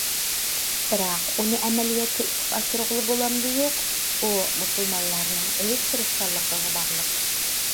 بىراق ئۇنى ئەمەلىيەتتە ئىشقا ئاشۇرغىلى بولامدۇ- يوق، ئۇ مۇسۇلمانلارنىڭ ئۆز تىرىشچانلىقىغا باغلىق.